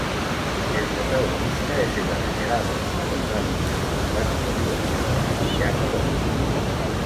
El protagonista es el adinerado, alocado y simpático libertino Fabián Conde.